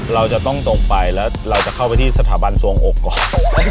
เราจะต้องตกไปแล้วเราจะเข้าไปที่สถาบันสวงอกก่อน